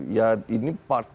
ya ini part